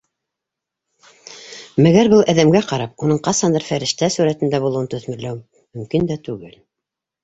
Мәгәр был әҙәмгә ҡарап, уның ҡасандыр фәрештә сүрәтендә булыуын төҫмөрләү мөмкин дә түгел...